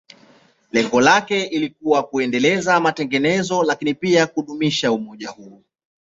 Lengo lake lilikuwa kuendeleza matengenezo, lakini pia kudumisha umoja huo.